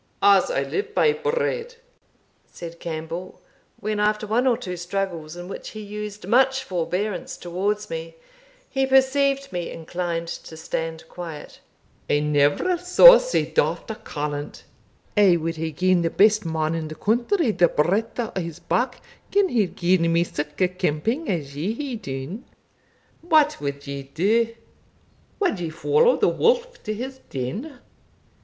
"As I live by bread," said Campbell, when, after one or two struggles in which he used much forbearance towards me, he perceived me inclined to stand quiet, "I never saw sae daft a callant! I wad hae gien the best man in the country the breadth o' his back gin he had gien me sic a kemping as ye hae dune. What wad ye do? Wad ye follow the wolf to his den?